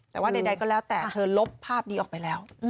แต่ว่าใดก็แล้วแต่เธอลบภาพนี้ออกไปแล้ว